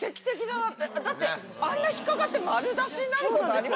だってあんな引っかかって丸出しになることあります？